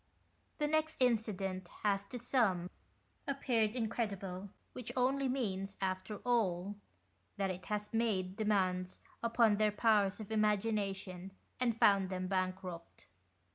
The next incident has, to some, appeared incredible, which only means, after all, that it has made demands upon their powers of imagination and found them bankrupt.